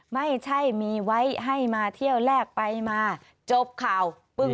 ไม่ใช่มีไว้ให้มาเที่ยวแรกไปมาจบข่าว